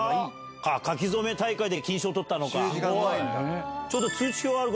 書き初め大会で金賞取ったのか。